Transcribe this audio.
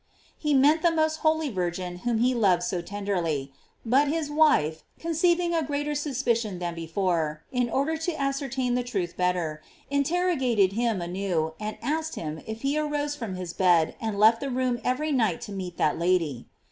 He meant the most holy Virgin whom he loved so tenderly. But his wife, conceiving a greater suspicion than be fore, in order to ascertain the truth better, inter rogated him anew, and asked him if he arose from his bed and left the room every night to meet that lady.